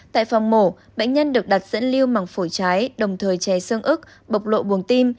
tại phòng mổ bệnh nhân được đặt dẫn lưu mằng phổi trái đồng thời che xương ức bộc lộ buồng tim